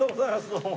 どうも。